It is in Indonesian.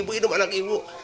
ibu ibu itu anak ibu